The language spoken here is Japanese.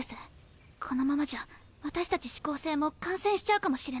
このままじゃ私たち四煌星も感染しちゃうかもしれない。